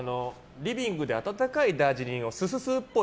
リビングで温かいダージリンをスススーっぽい。